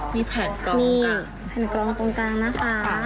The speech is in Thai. มีแผ่นกล้องตรงกลางนะคะ